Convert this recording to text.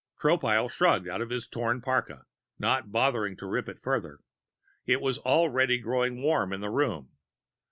Tropile shrugged out of his torn parka, not bothering to rip it further. It was already growing warm in the room.